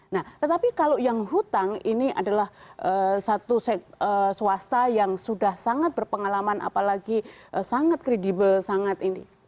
nah tetapi kalau yang hutang ini adalah satu swasta yang sudah sangat berpengalaman apalagi sangat kredibel sangat ini